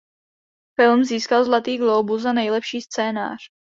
Film získal Zlatý glóbus za nejlepší scénář.